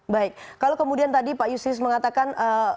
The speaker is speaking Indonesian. baik kalau kemudian tadi pak yusis mengatakan